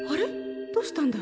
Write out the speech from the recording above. どうしたんだろう？